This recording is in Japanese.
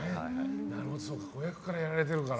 なるほど子役からやられてるから。